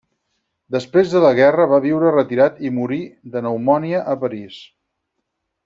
Després de la guerra va viure retirat i morí de pneumònia a París.